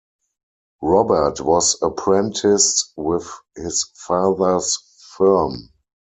Robert was apprenticed with his father's firm.